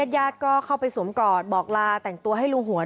ญาติก็เข้าไปสวมกอดบอกลาแต่งตัวให้ลุงหวน